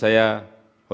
saya ingin mengucapkan